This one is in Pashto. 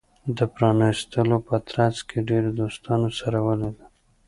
د پرانېستلو په ترڅ کې ډیرو دوستانو سره ولیدل.